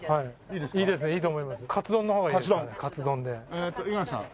えっと五十嵐さん。